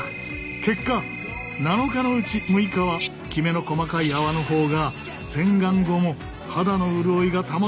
結果７日のうち６日はきめの細かい泡の方が洗顔後も肌の潤いが保たれていた。